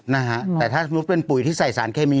นะฮะแต่ถ้าสมมุติเป็นปุ๋ยที่ใส่สารเคมี